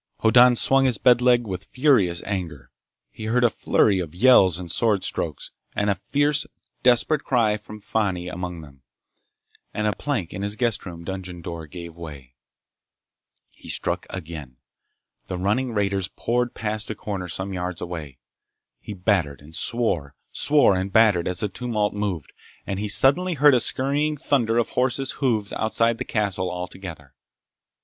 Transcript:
Hoddan swung his bed leg with furious anger. He heard a flurry of yells and sword strokes, and a fierce, desperate cry from Fani among them, and a plank in his guest room dungeon door gave way. He struck again. The running raiders poured past a corner some yards away. He battered and swore, swore and battered as the tumult moved, and he suddenly heard a scurrying thunder of horses' hoofs outside the castle altogether.